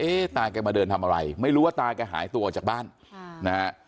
ตาแกมาเดินทำอะไรไม่รู้ว่าตาแกหายตัวออกจากบ้านค่ะนะฮะ